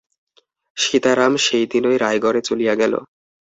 সীতারাম সেই দিনই রায়গড়ে চলিয়া গেল।